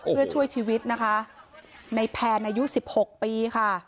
เพื่อช่วยชีวิตนะคะในแพนอายุ๑๖ปีค่ะ